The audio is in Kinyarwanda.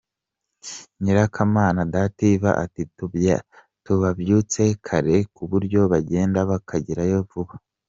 Nyirakamana Dative ati "Tubabyutsa kare ku buryo bagenda bakagerayo vuba.